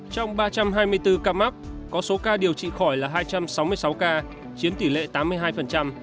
trong ba trăm hai mươi bốn ca mắc có số ca điều trị khỏi là hai trăm sáu mươi sáu ca chiếm tỷ lệ tám mươi hai